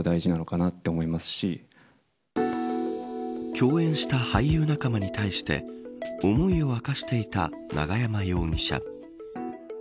共演した俳優仲間に対して思いを明かしていた永山容疑者。